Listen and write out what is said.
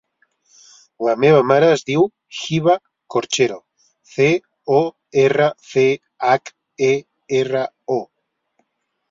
La meva mare es diu Hiba Corchero: ce, o, erra, ce, hac, e, erra, o.